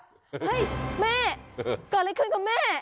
เฮ้ยแม่เกิดอะไรขึ้นกับแม่